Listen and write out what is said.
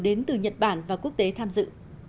đến từ nhật bản và quốc tế tham dự